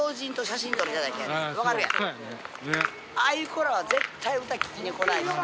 ああいう子らは絶対に歌聴きに来ないしね。